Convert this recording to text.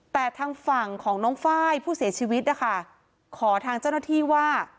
แต่ทางฝั่งของน้องไฟล์ผู้เสียชีวิตนะคะขอทางเจ้าหน้าที่ว่า